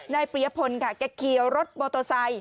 นายปรียพลแกะเคียวรถมอโตซัย